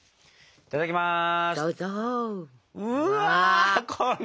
いただきます。